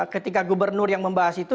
ketika gubernur yang membahas itu